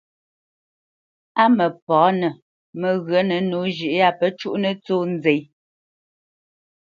Á mǝpǎnǝ mǝghyǝnǝ nǒ zhʉ́ ya pǝ cuʼnǝ tsó nzɛ́.